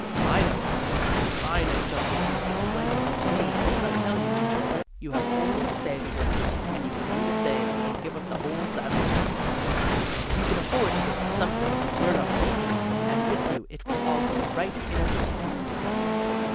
I know how; I know somebody who has explained it all to me, and I tell you, Dietrich, you have only to say the word, and you can do the same, and give up the whole saddler's business. You can afford to risk something; you're not stupid; and with you it will all go right in a twinkling."